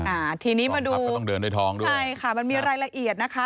อาทีนี้มาดูมีรายละเอียดนะคะ